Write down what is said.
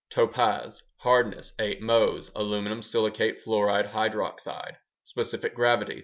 ] Topaz (hardness: 8 Mohs) Aluminum silicate fluoride hydroxide Specific gravity: 3.